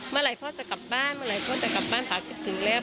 เมื่อไหร่พ่อจะกลับบ้านเมื่อไหร่พ่อจะกลับบ้านเขาคิดถึงแล้ว